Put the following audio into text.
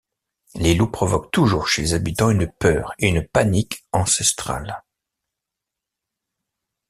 Les loups provoquent toujours chez les habitants une peur et une panique ancestrales.